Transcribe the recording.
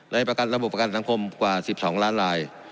ในระบบประกันทางสังคมกว่า๑๒ล้านลาย